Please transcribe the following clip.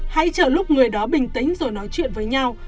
hãy chờ lúc người đó bình tĩnh rồi nói chuyện với nhau